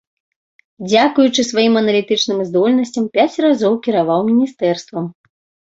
Дзякуючы сваім аналітычным здольнасцям пяць разоў кіраваў міністэрствам.